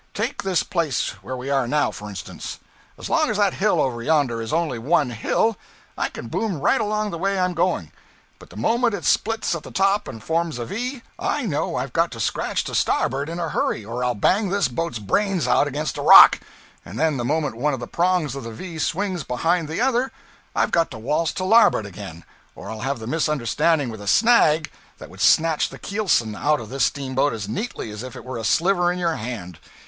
Take this place where we are now, for instance. As long as that hill over yonder is only one hill, I can boom right along the way I'm going; but the moment it splits at the top and forms a V, I know I've got to scratch to starboard in a hurry, or I'll bang this boat's brains out against a rock; and then the moment one of the prongs of the V swings behind the other, I've got to waltz to larboard again, or I'll have a misunderstanding with a snag that would snatch the keelson out of this steamboat as neatly as if it were a sliver in your hand.